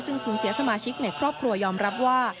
ซึ่งสูญเสียสมาชิกในครอบครัวยอมรับว่า